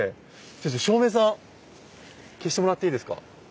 じゃあ照明さん消してもらっていいですか？